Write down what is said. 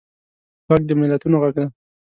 غږ د ملتونو غږ دی